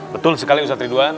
betul sekali ustadz ridwan